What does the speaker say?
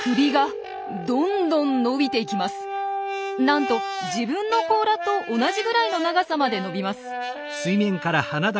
なんと自分の甲羅と同じぐらいの長さまで伸びます。